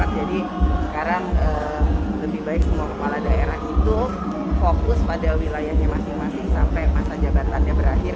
jadi sekarang lebih baik semua kepala daerah itu fokus pada wilayahnya masing masing sampai masa jabatannya berakhir